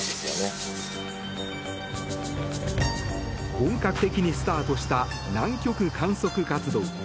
本格的にスタートした南極観測活動。